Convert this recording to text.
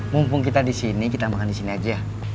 mumpung kita disini kita makan disini aja